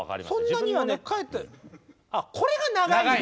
そんなにはねあっこれが長いんだ。